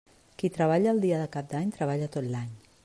Qui treballa el dia de Cap d'any treballa tot l'any.